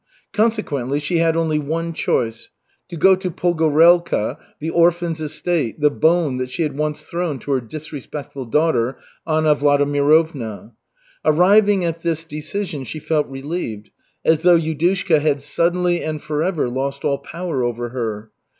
Consequently, she had only one choice, to go to Pogorelka, the orphans' estate, the "bone" that she had once thrown to her disrespectful daughter, Anna Vladimirovna. Arriving at this decision, she felt relieved, as though Yudushka had suddenly and forever lost all power over her.